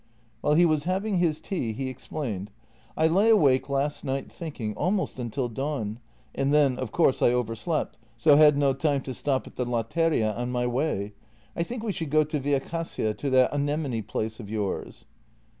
While he was having his tea he explained :" I lay awake last night thinking, almost until dawn, and then, of course, I overslept, so had no time to stop at the latteria on my way. I think we should go to Via Cassia to that anemone place of yours."